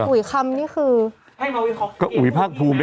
อุ๊ยคำนี่คือโอ๊ยภาครูบ